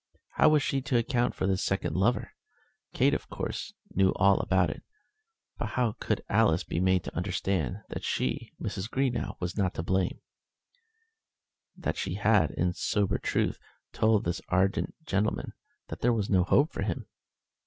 How was she to account for this second lover? Kate, of course, knew all about it; but how could Alice be made to understand that she, Mrs. Greenow, was not to blame, that she had, in sober truth, told this ardent gentleman that there was no hope for him?